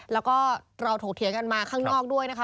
แล้วก็เราถกเถียงกันมาข้างนอกด้วยนะคะ